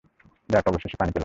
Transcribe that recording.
যাক, অবশেষে পানি পেলাম!